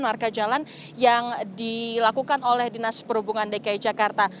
marka jalan yang dilakukan oleh dinas perhubungan dki jakarta